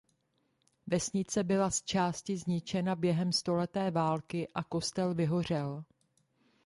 Vesnice byla zčásti zničena během stoleté války a kostel vyhořel.